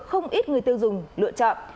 không ít người tiêu dùng lựa chọn